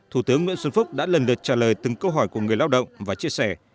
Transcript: thủ tướng nguyễn xuân phúc đã lần lượt trả lời từng câu hỏi của người lao động và chia sẻ